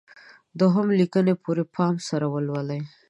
دوهم: لیکنې په پوره پام سره ولولئ.